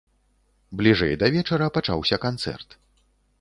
Бліжэй да вечара пачаўся канцэрт.